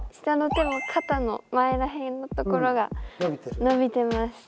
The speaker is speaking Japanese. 下の手も肩の前ら辺のところが伸びてます。